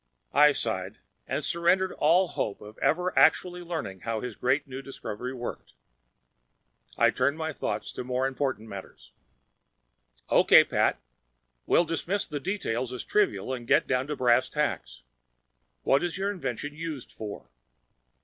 I sighed and surrendered all hope of ever actually learning how his great new discovery worked. I turned my thoughts to more important matters. "Okay, Pat. We'll dismiss the details as trivial and get down to brass tacks. What is your invention used for?"